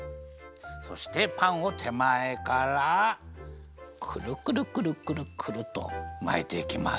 そしてパンをてまえからくるくるくるくるくるっとまいていきます。